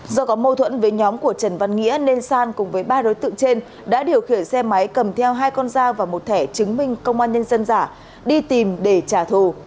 do có mâu thuẫn với nhóm của trần văn nghĩa nên san cùng với ba đối tượng trên đã điều khiển xe máy cầm theo hai con dao và một thẻ chứng minh công an nhân dân giả đi tìm để trả thù